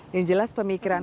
yang jelas pemikiran